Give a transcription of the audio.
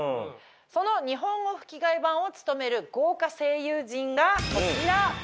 その日本語吹替版を務める豪華声優陣がこちら。